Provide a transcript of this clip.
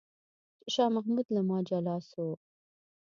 چې شاه محمود له ما جلا شو.